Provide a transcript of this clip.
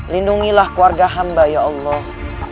lindungilah keluarga hamba ya allah